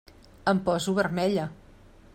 Em poso vermella.